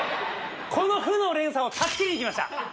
この負の連鎖を断ち切りにきました！